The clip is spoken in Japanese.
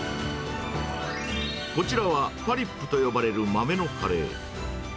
こちらは、パリップと呼ばれる豆のカレー。